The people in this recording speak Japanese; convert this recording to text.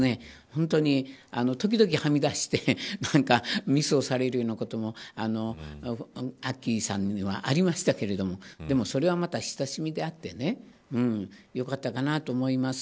本当に時々はみ出してミスをされるようなこともあっきーさんにはありましたけれどもでも、それはまた、親しみであってよかったかなと思います。